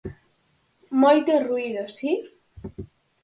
Moito ruído, si.